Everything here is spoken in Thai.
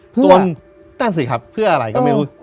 วนนั่นสิครับเพื่ออะไรก็ไม่รู้